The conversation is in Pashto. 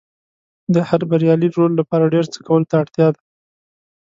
د هر بریالي رول لپاره ډېر څه کولو ته اړتیا ده.